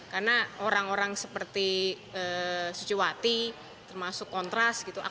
karena orang orang seperti suciwat